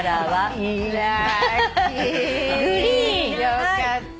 よかった。